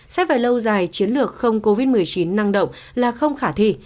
sẽ phải lâu dài chiến lược không covid một mươi chín năng động là không khả thi